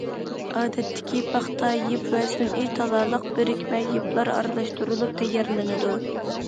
ئادەتتىكى پاختا يىپ ۋە سۈنئىي تالالىق بىرىكمە يىپلار ئارىلاشتۇرۇلۇپ تەييارلىنىدۇ.